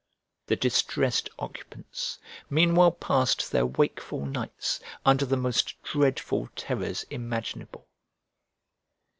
The distressed occupants meanwhile passed their wakeful nights under the most dreadful terrors imaginable.